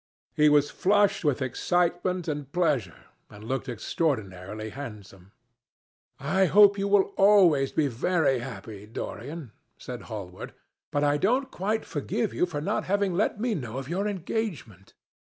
He was flushed with excitement and pleasure, and looked extraordinarily handsome. "I hope you will always be very happy, Dorian," said Hallward, "but I don't quite forgive you for not having let me know of your engagement.